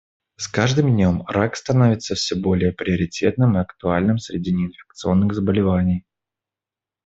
С каждым днем рак становится все более приоритетным и актуальным среди неинфекционных заболеваний.